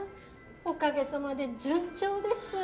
おかげさまで順調です。